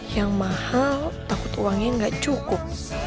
yang mahal takut uangnya nggak cukup